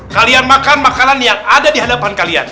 kalian makan makanan yang ada di hadapan kalian